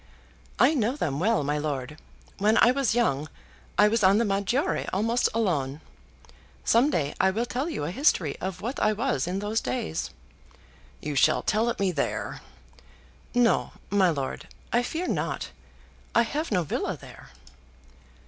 "I know them well, my lord. When I was young I was on the Maggiore almost alone. Some day I will tell you a history of what I was in those days." "You shall tell it me there." "No, my lord, I fear not. I have no villa there."